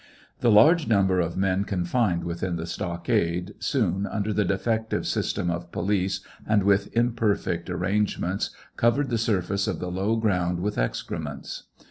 The large number of men confined within the stockade, soon, under the defective system of police, and with imperfect arrangements, covered the surface of the low grounds with ex crements.